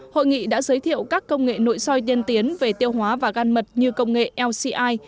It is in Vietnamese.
hội nghị đã giới thiệu các công nghệ nội soi tiên tiến về tiêu hóa và gan mật như công nghệ lci